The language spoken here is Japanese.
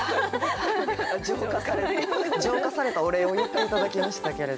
浄化されたお礼を言って頂きましたけれど。